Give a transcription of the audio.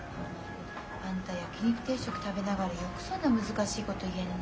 あんた焼き肉定食食べながらよくそんな難しいこと言えるね。